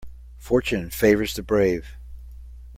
Fortune favours the brave.